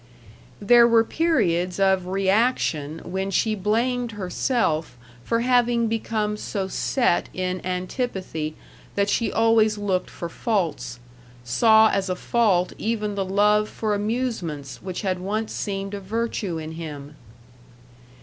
There were periods of reaction when she blamed herself for having become so set in antipathy that she always looked for faults; saw as a fault even the love for amusements which had once seemed a virtue in him.